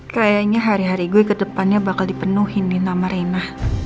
kayaknya hari hari gue ke depannya bakal dipenuhi nama reina